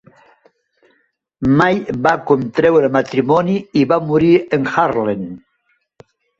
Mai va contreure matrimoni i va morir en Haarlem.